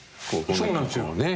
そうなんですよ。